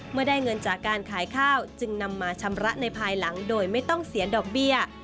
เมื่อได้เงินจากการขายข้าวจึงนำมาชำระในภายหลังโดยไม่ต้องเสียดอกเบี้ย